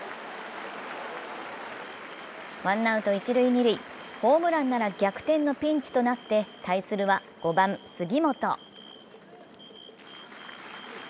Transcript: ワンアウト一・二塁、ホームランなら逆転のピンチとなって対するは５番・杉本。